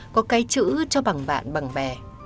có cái chữ cho bằng bạn bằng bè